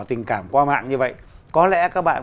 tình cảm qua mạng như vậy có lẽ các bạn